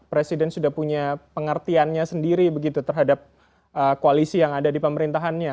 presiden sudah punya pengertiannya sendiri begitu terhadap koalisi yang ada di pemerintahannya